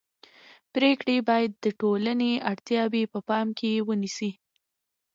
پرېکړې باید د ټولنې اړتیاوې په پام کې ونیسي